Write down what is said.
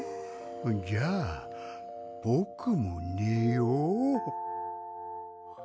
じゃあぼくもねよう。